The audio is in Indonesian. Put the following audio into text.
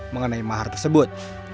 mengenai mahar tersebut